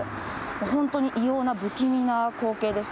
本当に異様な、不気味な光景でした。